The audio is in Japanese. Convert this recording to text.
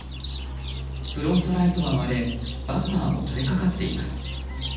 フロントライトは割れバンパーも取れかかっています。